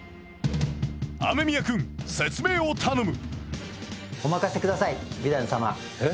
雨宮くん説明を頼む！